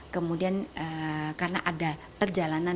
kemudian karena ada perjalanan